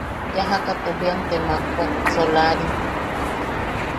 Yajaka te bwiam te makwak, solarim.